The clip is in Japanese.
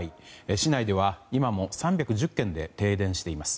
市内では今も３１０軒で停電しています。